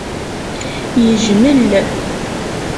Yejmel.